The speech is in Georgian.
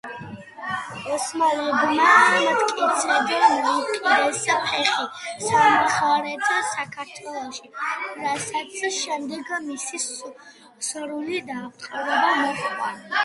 ოსმალებმა მტკიცედ მოიკიდეს ფეხი სამხრეთ საქართველოში, რასაც შემდეგ მისი სრული დაპყრობა მოჰყვა.